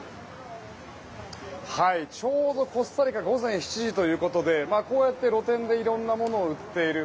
ちょうどコスタリカ午前７時ということでこうやって露店でいろんな物を売っている。